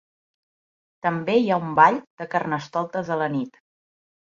També hi ha un ball de carnestoltes a la nit.